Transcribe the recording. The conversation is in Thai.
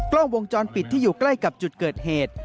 กล้องวงจรปิดที่อยู่ใกล้กับจุดเกิดเหตุ